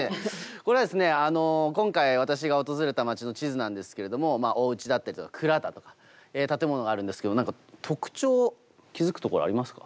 これは今回私が訪れた町の地図なんですけれどもおうちだったりとか蔵だとか建物があるんですけど何か特徴気付くところありますか？